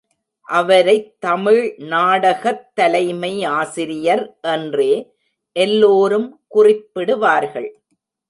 அவரைத் தமிழ் நாடகத் தலைமை ஆசிரியர் என்றே எல்லோரும் குறிப்பிடுவார்கள்.